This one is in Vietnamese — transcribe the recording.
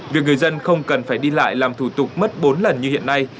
việc người dân không cần phải đi lại làm thủ tục mất bốn lần như hiện nay